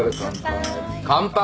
乾杯。